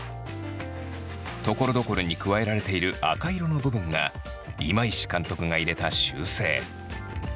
ところどころに加えられている赤色の部分が今石監督が入れた修正。